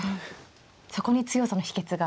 そこに強さの秘けつが。